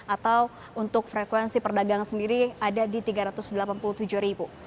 atau untuk frekuensi perdagangan sendiri ada di tiga ratus delapan puluh tujuh ribu